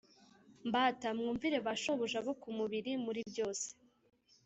Mbata mwumvire ba shobuja bo ku mubiri muri byose